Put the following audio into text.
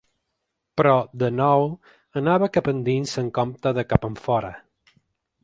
Però, de nou, anava cap endins en compte de cap enfora.